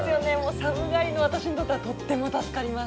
寒がりの私にとってはとっても助かります。